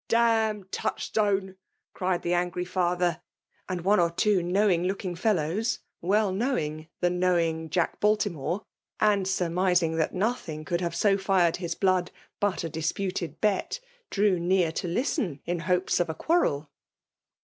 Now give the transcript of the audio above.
*" D — n Toud[ifitoiie !cried the aagiy father; and one or two kaowing4ook]«g UL low8> well kaowing the knowing Jack Balfci more, aad surmising that nothing eoald haine '0^ fired his blood but a disputed hat* dsew ttear to listen, in hopes of a quarrel.